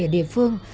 ở địa phương